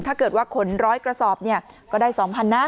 ถ้าเกิดว่าขน๑๐๐กระสอบก็ได้๒๐๐นะ